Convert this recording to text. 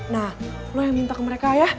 nah lo yang minta ke mereka ya